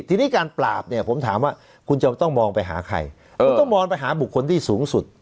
ทีนี้การปราบเนี่ยผมถามว่าคุณจะต้องมองไปหาใครคุณต้องมองไปหาบุคคลที่สูงสุด